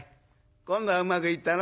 今度はうまくいったの？」。